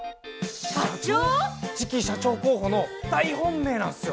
次期社長候補の大本命なんすよ。